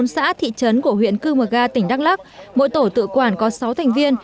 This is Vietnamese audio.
tám xã thị trấn của huyện cư mờ ga tỉnh đắk lắc mỗi tổ tự quản có sáu thành viên